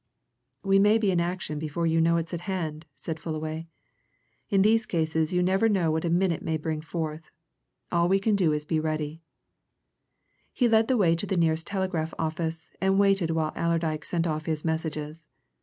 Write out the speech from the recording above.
"We may be in action before you know it's at hand," said Fullaway. "In these cases you never know what a minute may bring forth. All we can do is to be ready." He led the way to the nearest telegraph office and waited while Allerdyke sent off his messages.